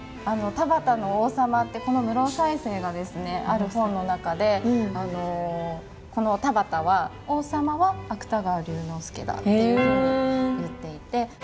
「田端の王様」ってこの室生犀星がですねある本の中でこの田端は王様は芥川龍之介だっていうふうに言っていて。